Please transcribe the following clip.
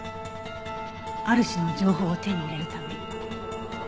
ある種の情報を手に入れるため。